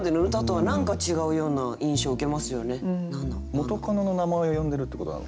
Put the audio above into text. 元カノの名前を呼んでるってことなのかな。